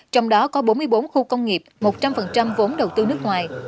trong đó có bốn mươi bốn khu công nghiệp một trăm linh vốn đầu tư nước ngoài